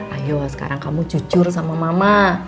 ayo sekarang kamu jujur sama mama